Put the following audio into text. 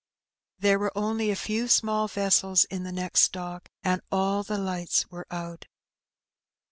There were only a few small vessels in the next dock, and all the lights were out.